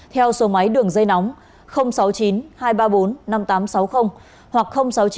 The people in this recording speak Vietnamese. theo số máy đường dây nóng sáu mươi chín hai trăm ba mươi bốn năm nghìn tám trăm sáu mươi hoặc sáu mươi chín hai trăm ba mươi hai một mươi tám